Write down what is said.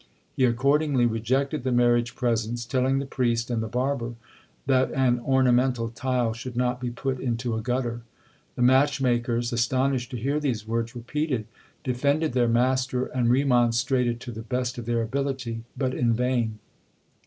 He accordingly rejected the marriage presents, telling the priest and the barber that an ornamental tile should not be put into a gutter. The match makers, astonished to hear these words repeated, defended their master and remonstrated to the best of their ability, but in vain.